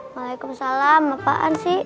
waalaikumsalam apaan sih